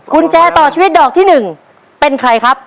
กุญแจต่อชีวิตดอกที่๑เป็นใครครับ